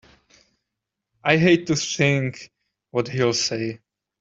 I hate to think what he'll say!